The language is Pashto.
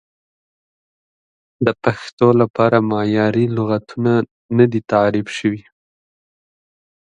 د پښتو لپاره معیاري لغتونه نه دي تعریف شوي.